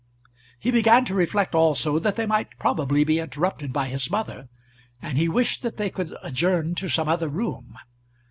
He began to reflect also that they might probably be interrupted by his mother, and he wished that they could adjourn to some other room.